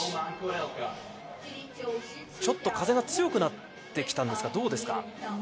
ちょっと風が強くなってきたんですか、どうですか？